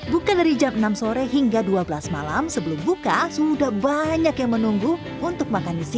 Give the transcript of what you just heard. bukan dari jam enam sore hingga dua belas malam sebelum buka sudah banyak yang menunggu untuk makan di sini